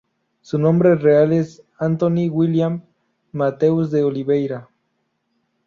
Su nombre real es Anthony William Matheus de Oliveira.